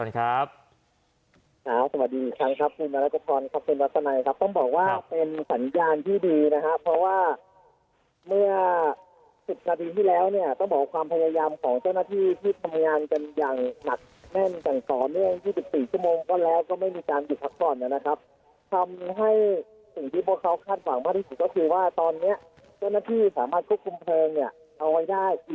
คุณธุ์เอาไว้ได้อีกครั้งนึงโดยครั้งนี้นะครับต้องบอกว่าเพลงเนี่ย